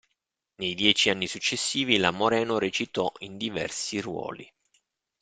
Nei dieci anni successivi la Moreno recitò in diversi ruoli.